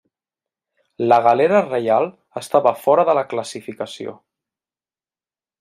La galera reial estava fora de la classificació.